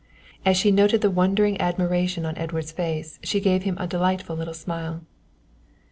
As she noted the wondering admiration on Edward's face she gave him a delightful little smile.